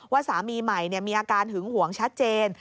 สามีใหม่มีอาการหึงหวงชัดเจน